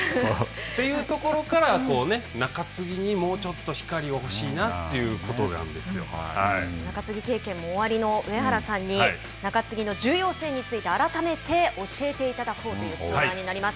というところから中継ぎにもうちょっと光が欲しいなというところ中継ぎ経験もおありの上原さんに中継ぎの重要性について改めて教えていただこうというコーナーになります。